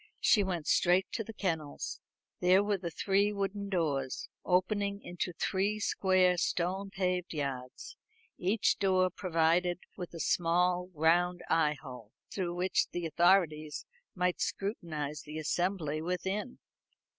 She went straight to the kennels. There were the three wooden doors, opening into three square stone paved yards, each door provided with a small round eye hole, through which the authorities might scrutinise the assembly within.